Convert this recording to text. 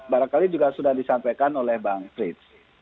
barangkali juga sudah disampaikan oleh bang frits